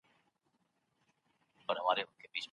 پکه خو ښه باد کوي خو چي نور هم وای ښه و .